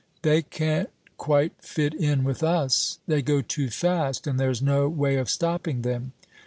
"They can't quite fit in with us. They go too fast and there's no way of stopping them."